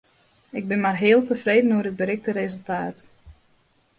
Ik bin mar heal tefreden oer it berikte resultaat.